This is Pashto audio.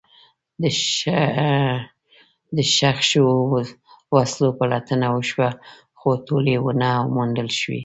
د ښخ شوو وسلو پلټنه وشوه، خو ټولې ونه موندل شوې.